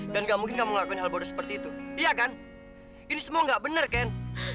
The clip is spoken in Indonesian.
dan nggak mungkin kamu ngelakuin hal bodoh seperti itu iya kan ini semua nggak benar ken